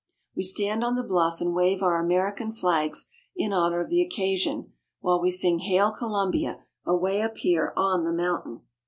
We stand on the bluff and wave our American flags in honor of the occasion, while we sing " Hail Columbia " away up here on the mountain.